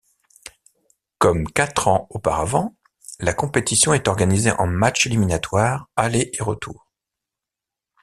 Comme quatre ans auparavant, la compétition est organisée en matchs éliminatoires aller et retour.